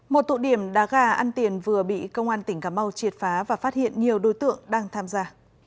một tụ điểm đá gà ăn tiền vừa bị công an tỉnh cà mau triệt phá và phát hiện nhiều đối tượng đang tham gia